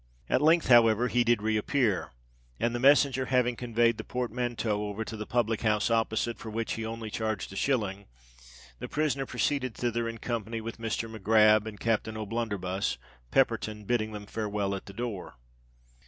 At length, however, he did re appear; and, the messenger having conveyed the portmanteau over to the public house opposite, for which he only charged a shilling, the prisoner proceeded thither in company with Mr. MacGrab and Captain O'Blunderbuss, Pepperton bidding them farewell at the door.